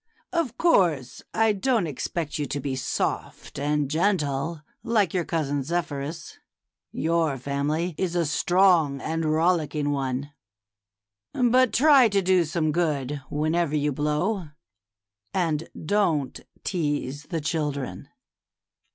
Of course I don't expect you to be soft and gentle, like your cousin Zephyrus. Your family is a strong and rollicking one ; but try to do some good whenever you blow, and don't tease the children."